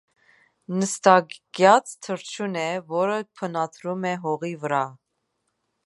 Նստակյաց թռչուն է, որը բնադրում է հողի վրա։